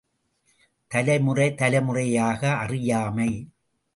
தலைமுறை தலைமுறையாக அறியாமை.